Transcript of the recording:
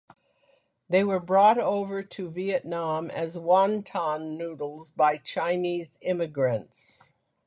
They were brought over to Vietnam as wonton noodles by Chinese immigrants.